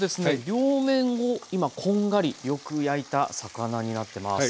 両面を今こんがりよく焼いた魚になってます。